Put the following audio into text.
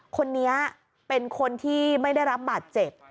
คนนี้เป็นคนที่ไม่ได้รับบาดเจ็บ